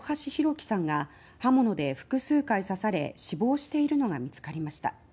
輝さんが刃物で複数回刺され死亡しているのが見つかりました。